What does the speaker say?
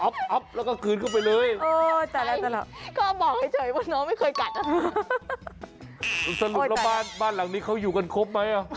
สรุปแล้วบ้านหลังนี้เขาอยู่กันครบไหม